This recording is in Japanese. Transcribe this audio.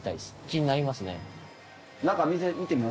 気になりますね。